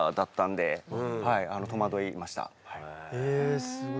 えすごい。